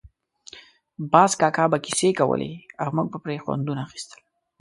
باز کاکا به کیسې کولې او موږ به پرې خوندونه اخیستل.